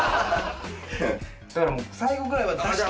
だから最後ぐらいは出して。